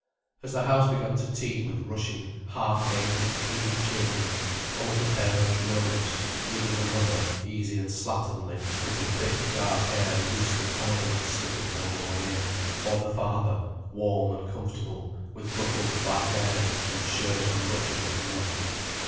As the house began to teem with rushing, half naked clean children, one of the parents rose, either the mother, easy and slatternly, with her thick, dark hair loosely coiled and slipping over one ear, or the father, warm and comfortable, with ruffled black hair and shirt unbuttoned at the neck.